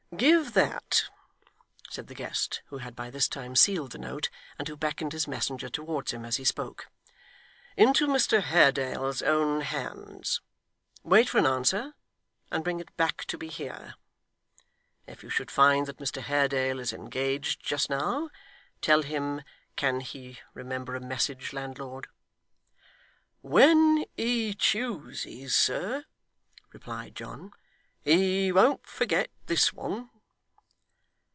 'Give that,' said the guest, who had by this time sealed the note, and who beckoned his messenger towards him as he spoke, 'into Mr Haredale's own hands. Wait for an answer, and bring it back to me here. If you should find that Mr Haredale is engaged just now, tell him can he remember a message, landlord?' 'When he chooses, sir,' replied John. 'He won't forget this one.